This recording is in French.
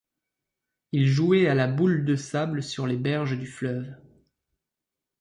Ils jouaient à la boule de sable sur les berges du fleuve.